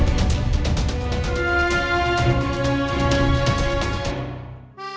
ayo kita cek cepetan